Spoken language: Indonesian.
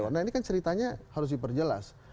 nah ini kan ceritanya harus diperjelas